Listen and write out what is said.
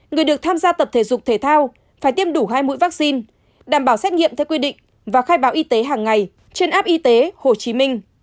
người được tham gia tập thể dục thể thao phải tiêm đủ hai mũi vaccine đảm bảo xét nghiệm theo quy định và khai báo y tế hàng ngày trên app y tế hồ chí minh